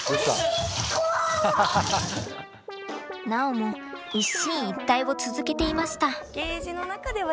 なおも一進一退を続けていました。